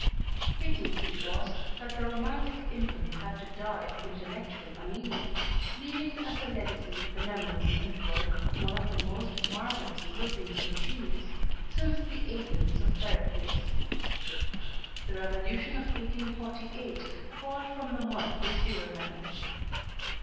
Pity it was that the romantic infant had to die of intellectual anaemia, leaving as a legacy the memories and work of one of the most marvellous groupings of genius since the Athens of Pericles. The revolution of 1848 called from the mud the sewermen.